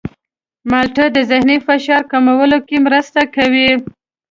مالټه د ذهني فشار کمولو کې مرسته کوي.